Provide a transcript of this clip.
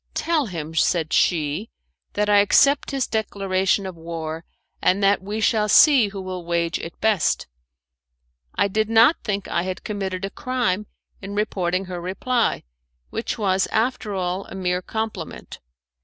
'Tell him,' said she, 'that I accept his declaration of war, and that we shall see who will wage it best.' I did not think I had committed a crime in reporting her reply, which was after all a mere compliment.